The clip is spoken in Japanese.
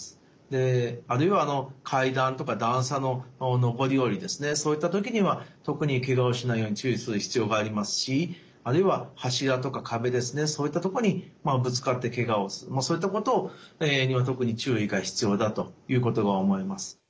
であるいは階段とか段差の上り下りですねそういった時には特にけがをしないように注意する必要がありますしあるいは柱とか壁ですねそういったとこにぶつかってけがをするそういったことには特に注意が必要だということは思います。